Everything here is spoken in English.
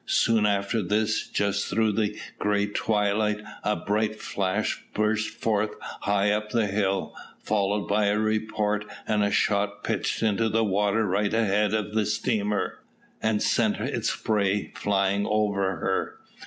Soon after this, just through the grey twilight, a bright flash burst forth high up the hill, followed by a report, and a shot pitched into the water right ahead of the steamer, and sent its spray flying over her.